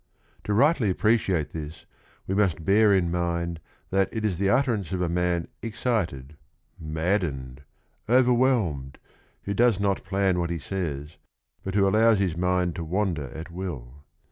To rightly appreciate this, we must bear in mind that it is the utterance of a man excited, maddened, overwhelmed, who does not plan what he says, but who allows his mind to wander at will.